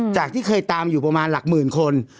จากที่เคยตามอยู่ประมาณหลักหมื่นคน